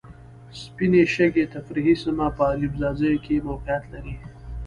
سپینې شګې تفریحي سیمه په اریوب ځاځیو کې موقیعت لري.